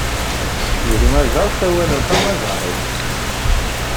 Deg Majaṛ, ssawalen tamajaṛit.